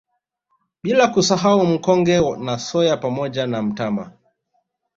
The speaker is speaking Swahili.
Bila kusahau Mkonge na Soya pamoja na mtama